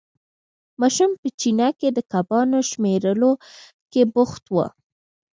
ماشوم په چینه کې د کبانو شمېرلو کې بوخت وو.